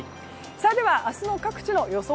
では、明日の各地の予想